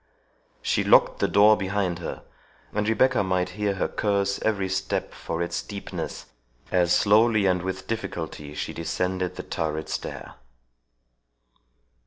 She locked the door behind her, and Rebecca might hear her curse every step for its steepness, as slowly and with difficulty she descended the turret stair.